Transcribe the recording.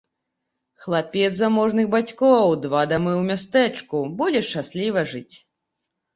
Хлапец заможных бацькоў, два дамы ў мястэчку, будзеш шчасліва жыць.